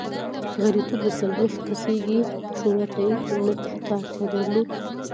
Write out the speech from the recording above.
غړیتوب د څلوېښت کسیزې شورا تایید ته اړتیا درلوده.